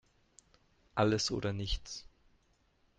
Alles oder nichts!